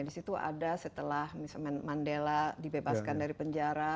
di situ ada setelah misalnya mandela dibebaskan dari penjara